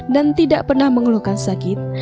dan tidak pernah mengeluhkan sakit